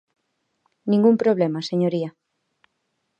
Ningún problema, señoría.